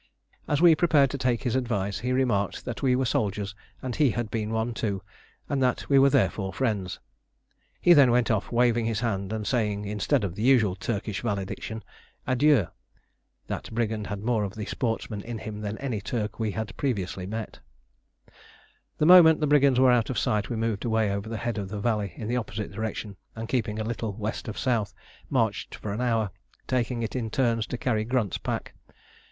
As we prepared to take his advice he remarked that we were soldiers and he had been one too, and that we were therefore friends. He then went off, waving his hand and saying, instead of the usual Turkish valediction, "Adieu." That brigand had more of the sportsman in him than any Turk we had previously met. The moment the brigands were out of sight we moved away over the head of the valley in the opposite direction, and keeping a little west of south, marched for an hour, taking it in turns to carry Grunt's pack.